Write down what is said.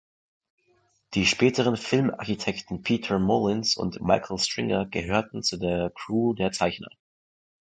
Die späteren Filmarchitekten Peter Mullins und Michael Stringer gehörten zu der Crew der Zeichner.